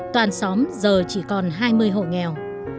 toàn xóm giờ chỉ còn hai mươi hộ nghèo